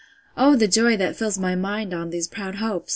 —O the joy that fills my mind on these proud hopes!